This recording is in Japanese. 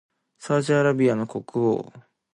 サウジアラビアの国王